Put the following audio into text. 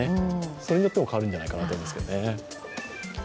それによっても変わるんじゃないかと思いますけどね。